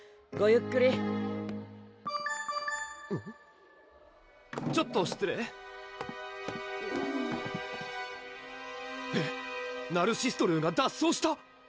ゆっくりちょっと失礼えっ⁉ナルシストルーが脱走した？